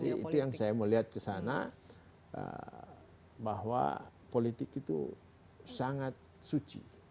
jadi itu yang saya melihat kesana bahwa politik itu sangat suci